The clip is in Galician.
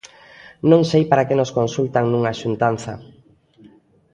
Non sei para que nos consultan nunha xuntanza.